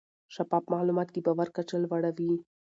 شفاف معلومات د باور کچه لوړه وي.